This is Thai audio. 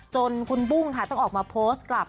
จนคุณบุ้งค่ะต้องออกมาโพสต์กลับ